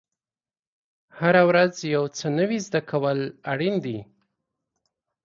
هره ورځ یو څه نوی زده کول اړین دي.